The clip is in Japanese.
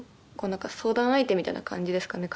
何か相談相手みたいな感じですかね